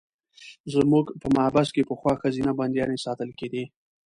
زموږ په محبس کې پخوا ښځینه بندیانې ساتل کېدې.